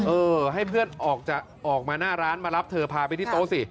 เออให้เพื่อนออกมาหน้าร้านมารับเธอพาไปที่โต๊ะสิ